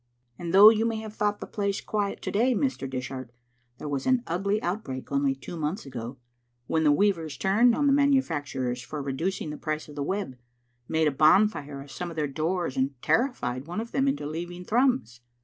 " And though you may have thought the place quiet to day, Mr. Dishart, there was an ugly outbreak only two months ago, when the weavers turned on the manu facturers for reducing the price of the web, made a bonfire of some of their doors, and terrified one of them into leaving Thrums.